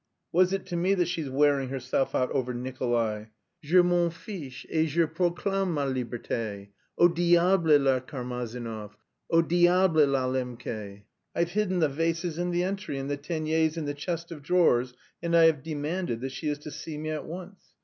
What is it to me that she's wearing herself out over Nikolay! Je m'en fiche, et je proclame ma liberté! Au diable le Karmazinov! Au diable la Lembke! I've hidden the vases in the entry, and the Teniers in the chest of drawers, and I have demanded that she is to see me at once.